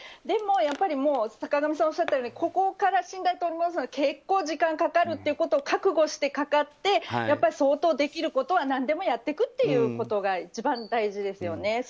でも、やっぱり坂上さんおっしゃったようにここから信頼を取り戻すのは結構、時間かかるということを覚悟してかかって相当できることは何でもやっていくということが一番大事ですよね。